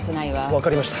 分かりました。